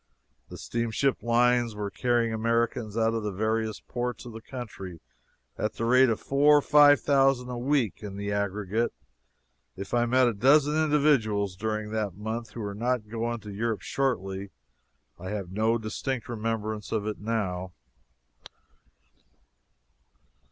The steamship lines were carrying Americans out of the various ports of the country at the rate of four or five thousand a week in the aggregate. If I met a dozen individuals during that month who were not going to Europe shortly, I have no distinct remembrance of it now.